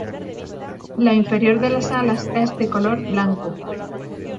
La inferior de las alas es de color blanco.